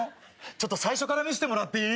最初から見せてもらっていい？